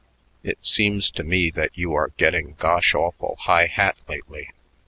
It seems to me that you are getting gosh awful high hat lately.